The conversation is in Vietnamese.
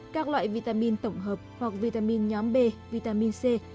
các loại vitamin tổng hợp hoặc vitamin nhóm b vitamin c